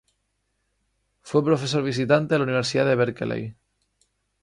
Fue profesor visitante en la Universidad de Berkeley.